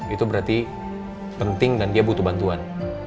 itu berarti penting dan dia butuh bantuan